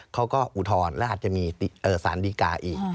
เขาก็อุทธรณ์และอาจจะมีสารดีการณ์อีก